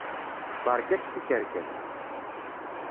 Berkat tikerkas.